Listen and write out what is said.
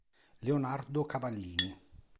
Leonardo Cavallini